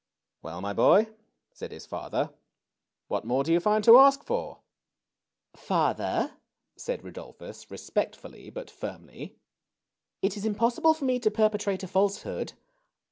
Well, my boy," said his father, ^^what more do you find to ask for ?" Father," said Rudolphus, respectfully but firmly, it is impossible for me to perpetrate a falsehood.